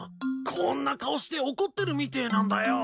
こんな顔して怒ってるみてえなんだよ。